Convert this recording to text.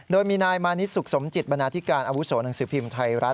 โดยมีนายมานิดสุขสมจิตบรรณาธิการอาวุโสหนังสือพิมพ์ไทยรัฐ